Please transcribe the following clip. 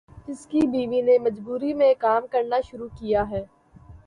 اس کی بیوی نے مجبوری میں کام کرنا شروع کیا ہے۔